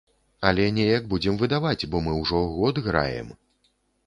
Але неяк будзем выдаваць, бо мы ўжо год граем.